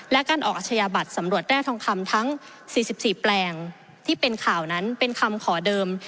และการออกอาชญาบัตรสำรวจแร่ทองคำทั้ง๔๔แปลงที่เป็นข่าวนั้นเป็นคำขอเดิม